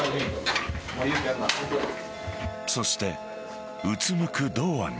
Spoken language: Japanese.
そして、うつむく堂安に。